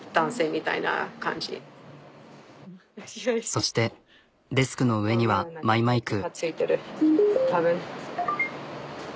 そしてデスクの上にはマイマイク。